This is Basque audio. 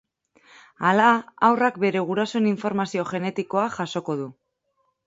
Hala, haurrak bere gurasoen informazio genetikoa jasoko du.